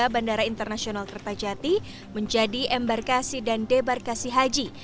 bandara internasional kertajati menjadi embarkasi dan debarkasi haji